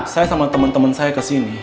saya sama temen temen saya kesini